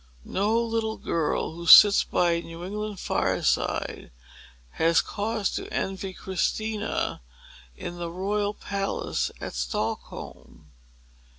No little girl, who sits by a New England fireside, has cause to envy Christina, in the royal palace at Stockholm.